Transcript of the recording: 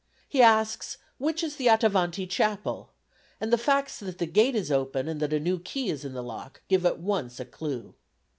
He asks which is the Attavanti Chapel, and the facts that the gate is open and that a new key is in the lock give at once a clue.